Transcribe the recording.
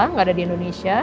tidak ada di indonesia